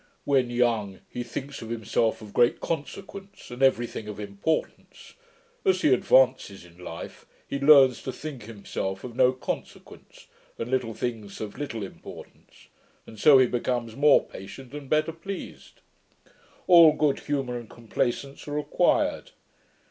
When young, he thinks himself of great consequence, and every thing of importance. As he advances in life, he learns to think himself of no consequence, and little things of little importance; and so he becomes more patient, and better pleased. All good humour and complaisance are acquired.